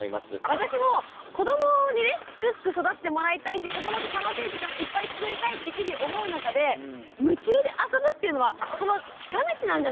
私も子どもにねすくすく育ってもらいたいし子どもと楽しい時間いっぱい作りたいって日々思う中で夢中であそぶっていうのはその近道なんじゃないかというか。